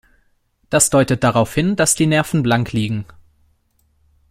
Das deutet darauf hin, dass die Nerven blank liegen.